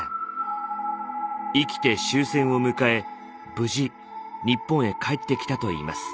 生きて終戦を迎え無事日本へ帰ってきたといいます。